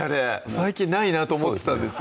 最近ないなと思ってたんですよ